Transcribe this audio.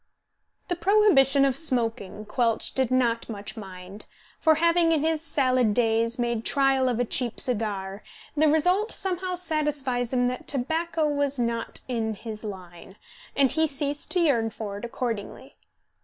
The prohibition of smoking Quelch did not much mind; for, having in his salad days made trial of a cheap cigar, the result somehow satisfied him that tobacco was not in his line, and he ceased to yearn for it accordingly.